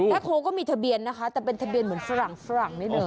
แบล็กโฮล์ก็มีทะเบียนนะคะแต่เป็นทะเบียนเหมือนฝรั่งนิดนึง